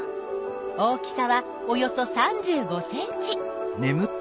大きさはおよそ３５ｃｍ！